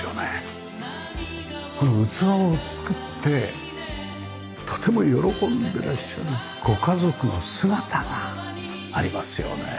この器をつくってとても喜んでらっしゃるご家族の姿がありますよね。